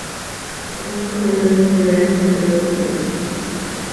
Se van formando las primeras manzanas de población.